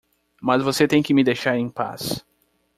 Mas você tem que me deixar em paz.